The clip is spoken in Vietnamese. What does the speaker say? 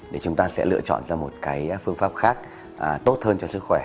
để chúng ta sẽ lựa chọn ra một cái phương pháp khác tốt hơn cho sức khỏe